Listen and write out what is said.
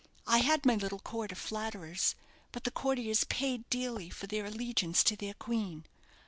I had my little court of flatterers; but the courtiers paid dearly for their allegiance to their queen.